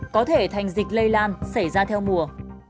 có thể thành dịch lây lan xảy ra theo mùa